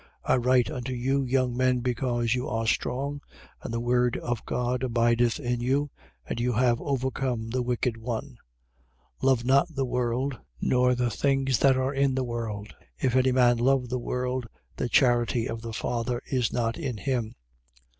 I write unto you, young men, because you are strong, and the word of God abideth in you, and you have overcome the wicked one. 2:15. Love not the world, nor the things which are in the world. If any man love the world, the charity of the Father is not in him.